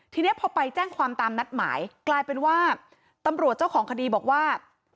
ทีนี้พอไปแจ้งความตามนัดหมายกลายเป็นว่าตำรวจเจ้าของคดีบอกว่า